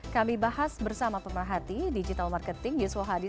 kami bahas bersama pemerhati digital marketing yuswo hadi